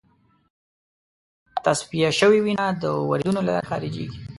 تصفیه شوې وینه د وریدونو له لارې خارجېږي.